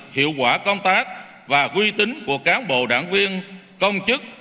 hiệu quả công tác và quy tính của cán bộ đảng viên công chức